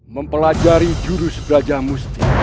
mempelajari jurus belajar musti